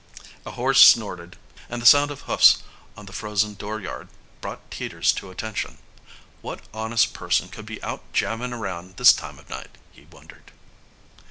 A horse snorted, and the sound of hoofs on the frozen dooryard brought Teeters to attention. What honest person could be out jamming around this time of night, he wondered.